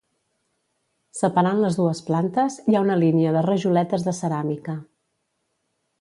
Separant les dues plantes hi ha una línia de rajoletes de ceràmica.